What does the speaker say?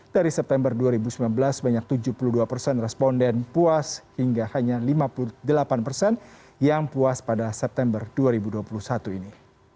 dari september dua ribu sembilan belas banyak tujuh puluh dua persen responden puas hingga hanya lima puluh delapan persen yang puas pada september dua ribu dua puluh satu ini